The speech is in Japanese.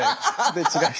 で違う人。